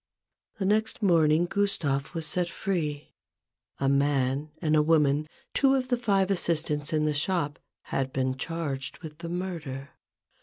The next morning, Gustave was set free. A man and a woman, two of the five assistants in the shop, had been charged with the murder.